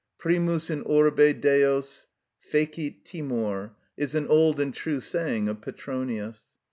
"Primus in orbe Deos fecit timor" is an old and true saying of Petronius.